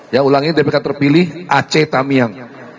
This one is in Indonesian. yang ulangi dprk terpilih aceh tamiang